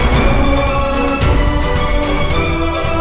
kayak ada yang ngikutin aku